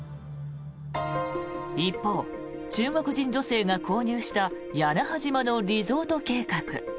一方、中国人女性が購入した屋那覇島のリゾート計画。